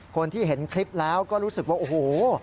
คนที่เห็นคลิปแล้วก็รู้สึกว่าโอ้โห